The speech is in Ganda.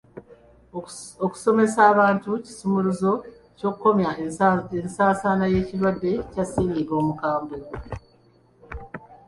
Okusomesa abantu kisumuluzo ky'okukomya ensaasaana y'ekirwadde kya ssennyiga omukambwe.